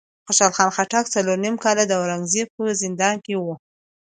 خوشحال خان څلور نیم کاله د اورنګ زیب په زندان کې و.